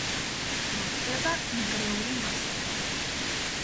გვხვდება ნგრეული მასალა.